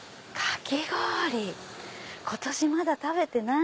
今年まだ食べてない。